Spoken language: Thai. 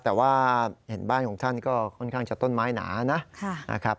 แต่ว่าเห็นบ้านของท่านก็ค่อนข้างจะต้นไม้หนานะครับ